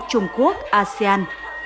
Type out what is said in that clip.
trung quốc asean